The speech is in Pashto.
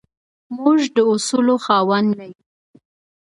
موږ د اصولو خاوندان نه یو.